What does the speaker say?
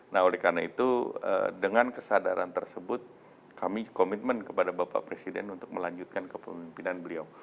nah oleh karena itu dengan kesadaran tersebut kami komitmen kepada bapak presiden untuk melanjutkan kepemimpinan beliau